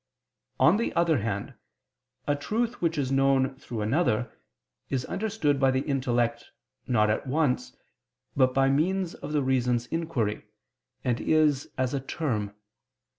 On the other hand, a truth which is known through another, is understood by the intellect, not at once, but by means of the reason's inquiry, and is as a _term.